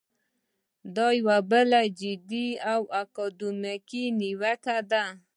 دا یوه بله جدي او اکاډمیکه نیوکه ده.